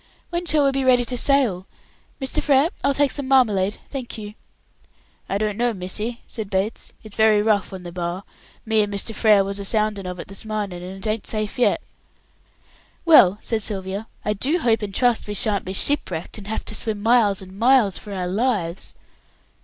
"When shall we be ready to sail? Mr. Frere, I'll take some marmalade. Thank you." "I don't know, missy," said Bates. "It's very rough on the Bar; me and Mr. Frere was a soundin' of it this marnin', and it ain't safe yet." "Well," said Sylvia, "I do hope and trust we sha'n't be shipwrecked, and have to swim miles and miles for our lives."